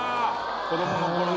子供の頃の。